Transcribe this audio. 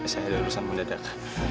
saya ada urusan pendedak